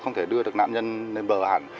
không thể đưa được nạn nhân lên bờ hẳn